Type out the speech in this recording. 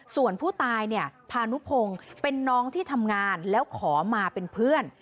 ส่วนผู้ตายเนี่ยพานุพงศ์เป็นน้องที่ทำงานแล้วขอมาเป็นเพื่อน